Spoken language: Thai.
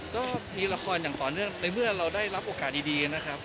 ก็มีละครอย่างต่อเนื่องในเมื่อเราได้รับโอกาสดีนะครับ